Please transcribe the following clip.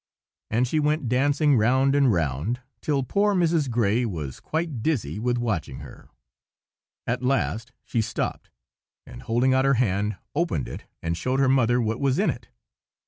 and she went dancing round and round, till poor Mrs. Gray was quite dizzy with watching her. At last she stopped, and holding out her hand, opened it and showed her mother what was in it.